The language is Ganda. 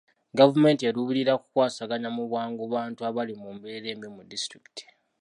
Gavumenti eruubirira kukwasaganya mu bwangu bantu abali mu mbeera embi mu disitulikiti.